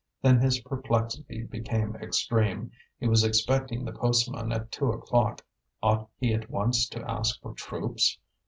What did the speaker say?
Then his perplexity became extreme. He was expecting the postman at two o'clock; ought he at once to ask for troops?